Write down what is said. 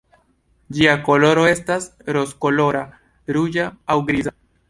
Ĝia koloro estas rozkolora, ruĝa aŭ griza.